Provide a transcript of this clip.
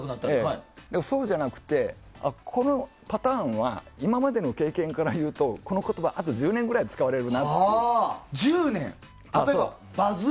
そうじゃなくて、このパターンは今までの経験から言うとこの言葉、あと１０年ぐらい使われるなって。